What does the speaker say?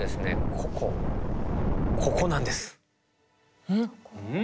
ここここなんです。